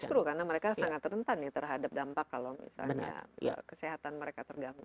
justru karena mereka sangat rentan ya terhadap dampak kalau misalnya kesehatan mereka terganggu